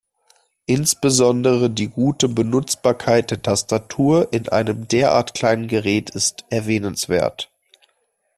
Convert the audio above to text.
Insbesondere die gute Benutzbarkeit der Tastatur in einem derart kleinen Gerät ist erwähnenswert.